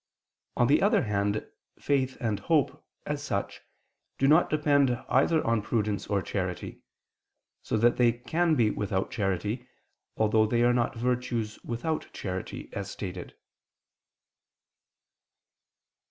On the other hand faith and hope, as such, do not depend either on prudence or charity; so that they can be without charity, although they are not virtues without charity, as stated.